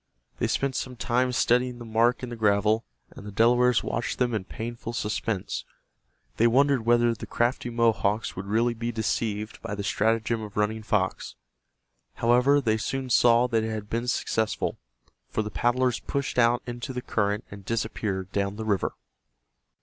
They spent some time studying the mark in the gravel, and the Delawares watched them in painful suspense. They wondered whether the crafty Mohawks would really be deceived by the stratagem of Running Fox. However, they soon saw that it had been successful, for the paddlers pushed out into the current and disappeared down the river.